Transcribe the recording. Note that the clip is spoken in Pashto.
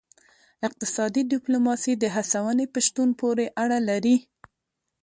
اقتصادي ډیپلوماسي د هڅونې په شتون پورې اړه لري